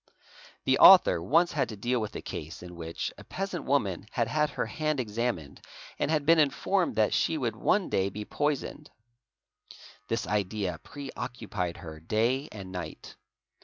The author once had to deal with a case in which a peasant woman had had her hand examined and had been informed that she would one day _ be poisoned. This idea preoccupied her day and night.